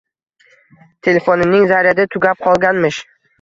“Telefonining zaryadi tugab qolganmish”.